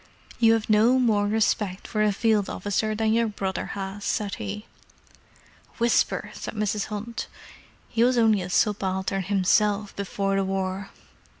"You have no more respect for a field officer than your brother has," said he. "Whisper!" said Mrs. Hunt. "He was only a subaltern himself before the war!"